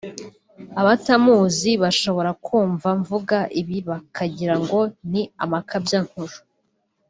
Abatamuzi bashobora kumva mvuga ibi bakagirango ni amakabyankuru